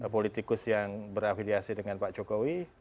politikus yang berafiliasi dengan pak jokowi